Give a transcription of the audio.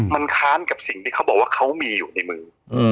มันค้านกับสิ่งที่เขาบอกว่าเขามีอยู่ในมือ